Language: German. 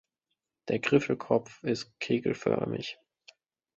Der Griffelkopf ist kegelförmig.